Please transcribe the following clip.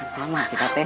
sama kita teh